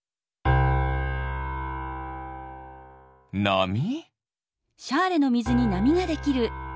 なみ？